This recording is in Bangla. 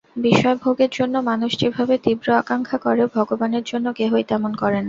বিষয়ভোগের জন্য মানুষ যেভাবে তীব্র আকাঙ্ক্ষা করে, ভগবানের জন্য কেহই তেমন করে না।